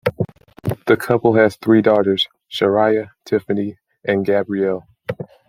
The couple has three daughters: Sharayah, Tiffany, and Gabrielle.